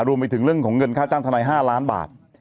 รวมถึงเรื่องของเงินค่าจ้างทนาย๕ล้านบาท